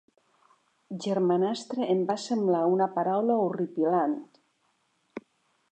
Germanastre em va semblar una paraula horripilant.